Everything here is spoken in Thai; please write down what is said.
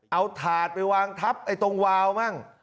เอาถาดไปวางทับไอ้ตรงวาวมั่ง